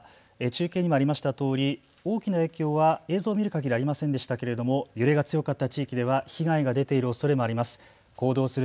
中継にもありましたとおり、大きな影響は映像を見るかぎりありませんでしたけれども揺れが強かった地域では被害が出ているおそれもあります。